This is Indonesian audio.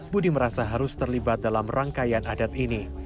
budi merasa harus terlibat dalam rangkaian adat ini